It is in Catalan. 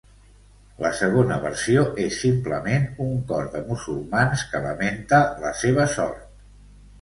La segona versió és simplement un cor de musulmans que lamenta la seva sort.